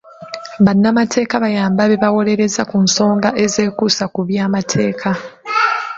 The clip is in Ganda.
Bannamateeka bayamba be bawolereza ku nsonga ez'ekuusa ku by'amateeka.